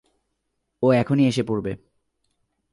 ও এখনই এসে পড়বে।